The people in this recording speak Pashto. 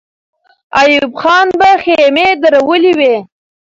ایوب خان به خېمې درولې وې.